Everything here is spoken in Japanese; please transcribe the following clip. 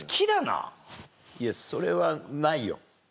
いやそれはないよ。